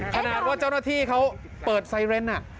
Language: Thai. ขนาดว่าเจ้าหน้าที่เขาเปิดไซเรน